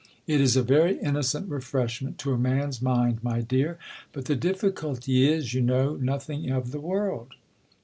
It is a very innocent refreshment to a man's mind, my dear. But the ditficulty is, you know notlii ing of the world.